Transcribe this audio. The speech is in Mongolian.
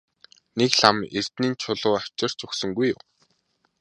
Нэг лам эрдэнийн чулуу авчирч өгсөнгүй юу?